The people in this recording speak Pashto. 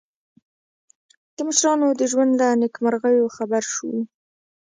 د مشرانو د ژوند له نېکمرغیو خبر شو.